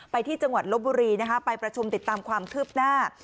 ไปที่จังหวัดลบบุรีนะคะไปประชุมติดตามความคืบหน้า